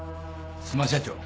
須磨社長。